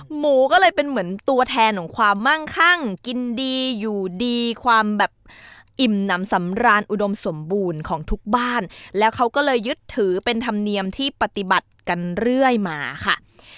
หมูก็เลยเป็นเหมือนตัวแทนของความมั่งคั่งกินดีอยู่ดีความแบบอิ่มน้ำสำราญอุดมสมบูรณ์ของทุกบ้านแล้วเขาก็เลยยึดถือเป็นธรรมเนียมที่ปฏิบัติกันเรื่อยมาค่ะ